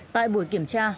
tại buổi kiểm tra